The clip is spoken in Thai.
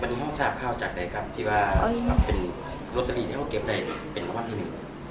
วันนี้ห้องสาบข้าวจากไหนครับที่ว่าเอาเป็นโรตรีที่ห้องเก็บไหนเป็นข้าวที่หนึ่ง